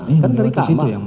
kan dari kamar